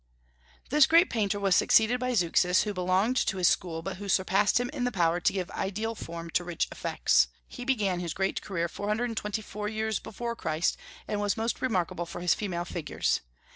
This great painter was succeeded by Zeuxis, who belonged to his school, but who surpassed him in the power to give ideal form to rich effects. He began his great career four hundred and twenty four years before Christ, and was most remarkable for his female figures.